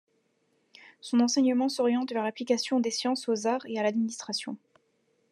Son enseignement s'oriente vers l'application des sciences aux arts et à l'administration.